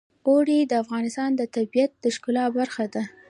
اوړي د افغانستان د طبیعت د ښکلا برخه ده.